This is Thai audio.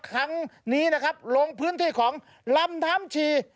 ครั้งนี้นะครับลงพื้นที่ของลำน้ำชี